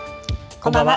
こんばんは。